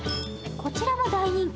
こちらも大人気。